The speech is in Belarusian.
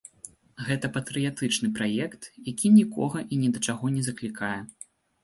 Гэта патрыятычны праект, які нікога і ні да чаго не заклікае.